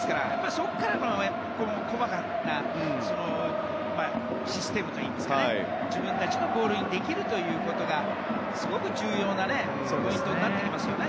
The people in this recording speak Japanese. そこからの細かなシステムといいますか自分たちのボールにできるということがすごく重要なポイントになりますね。